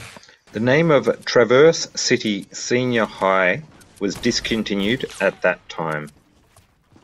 The name of Traverse City Senior High was discontinued at that time.